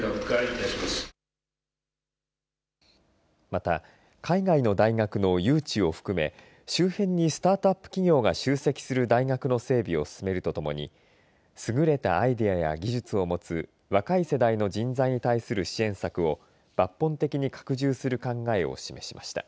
また、海外の大学の誘致を含め周辺にスタートアップ企業が集積する大学の整備を進めるとともにすぐれたアイデアや技術を持つ若い世代の人材に対する支援策を抜本的に拡充する考えを示しました。